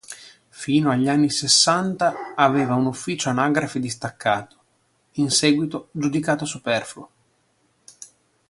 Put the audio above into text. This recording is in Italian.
Fino agli anni sessanta aveva un ufficio anagrafe distaccato, in seguito giudicato superfluo.